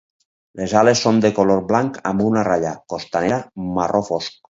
Les ales són de color blanc amb una ratlla costanera marró fosc.